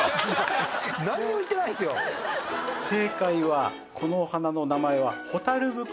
正解はこのお花の名前は。